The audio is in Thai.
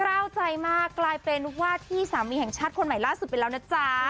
เล่าใจมากกลายเป็นว่าที่สามีแห่งชาติคนใหม่ล่าสุดไปแล้วนะจ๊ะ